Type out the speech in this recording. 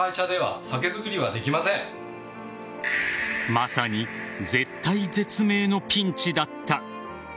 まさに絶体絶命のピンチだった。